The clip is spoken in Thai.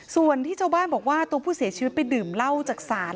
ส่วนที่ชาวบ้านบอกว่าตัวผู้เสียชีวิตไปดื่มเหล้าจากศาล